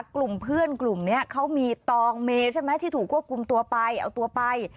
กลุ่มเพื่อนกลุ่มนี้เขามีตองเมใช่ไหมที่ถูกควบคุมตัวไปเอาตัวไป